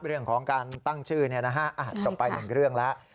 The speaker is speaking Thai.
เรื่องของการตั้งชื่อจบไปหนึ่งเรื่องแล้ว